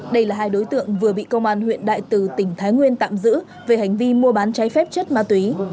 đây là hai đối tượng vừa bị công an huyện đại từ tỉnh thái nguyên tạm giữ về hành vi mua bán trái phép chất ma túy